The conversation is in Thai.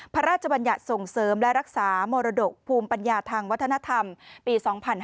พระราชบัญญัติส่งเสริมและรักษามรดกภูมิปัญญาทางวัฒนธรรมปี๒๕๕๙